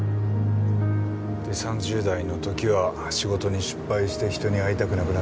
で３０代の時は仕事に失敗して人に会いたくなくなって。